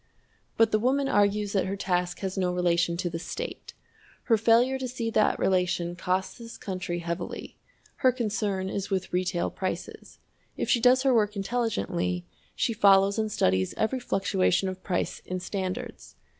But the woman argues that her task has no relation to the state. Her failure to see that relation costs this country heavily. Her concern is with retail prices. If she does her work intelligently, she follows and studies every fluctuation of price in standards.